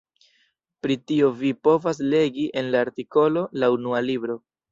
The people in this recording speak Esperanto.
Pri tio vi povas legi en la artikolo La Unua Libro.